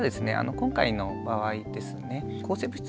今回の場合ですね